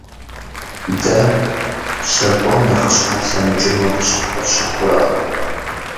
Дэ щэкӀуэн нэхъыщхьэ тлъэмыкӀыну щхьэ къыфщыхъурэ?